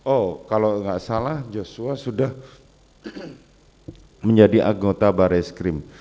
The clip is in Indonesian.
oh kalau nggak salah joshua sudah menjadi anggota barreskrim